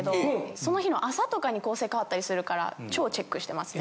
その日の朝とかに構成変わったりするから超チェックしてますね。